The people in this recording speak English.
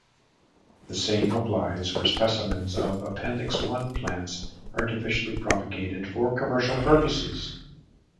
The same applies for specimens of Appendix One plants artificially propagated for commercial purposes.